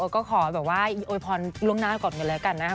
โอ๊ยก็ขอแบบว่าโอ๊ยพรลงหน้าก่อนกันเลยละกันนะคะ